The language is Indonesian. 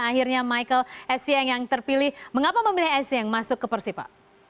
akhirnya michael essieng yang terpilih mengapa memilih esieng masuk ke persib pak